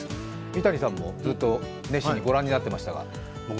三谷さんもずっと熱心にご覧になっていましたが。